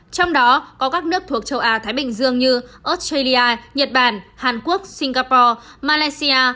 trong đó có các nước thuộc châu á thái bình dương như australia nhật bản hàn quốc singapore malaysia